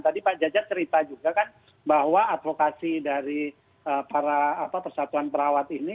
tadi pak jajan cerita juga kan bahwa advokasi dari para persatuan perawat ini